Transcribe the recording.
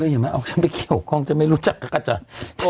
ก็อย่ามาเอาฉันไปเกี่ยวข้องฉันไม่รู้จักจักรจันทร์